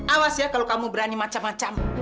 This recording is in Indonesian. awas ya kalau kamu berani macam macam